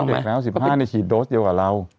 ไม่ได้เด็กแล้ว๑๕เนี่ยฉีดโดสเยอะกว่าเรา